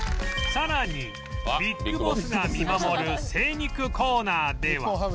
さらにビッグボスが見守る精肉コーナーでは